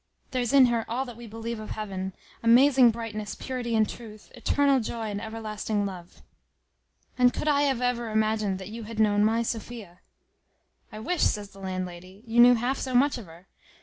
There's in her all that we believe of heav'n, Amazing brightness, purity, and truth, Eternal joy and everlasting love. "And could I ever have imagined that you had known my Sophia!" "I wish," says the landlady, "you knew half so much of her.